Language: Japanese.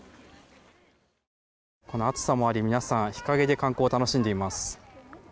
この暑さもあり皆さん、日陰で観光を楽しんでいます。